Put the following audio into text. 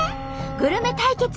グルメ対決